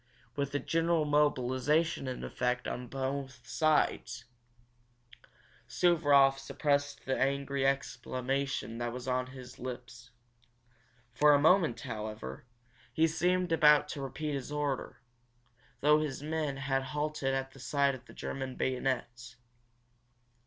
With a general mobilization in effect upon both sides " Suvaroff suppressed the angry exclamation that was on his lips. For a moment, however, he seemed about to repeat his order, though his men had halted at the sight of German bayonets.